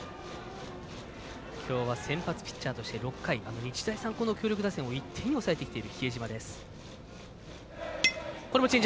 今日は先発ピッチャーとしては６回日大三高の強力打線を１点に抑えている比江島です。